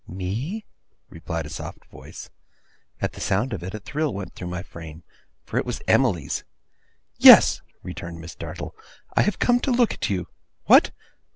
'Me?' replied a soft voice. At the sound of it, a thrill went through my frame. For it was Emily's! 'Yes,' returned Miss Dartle, 'I have come to look at you. What?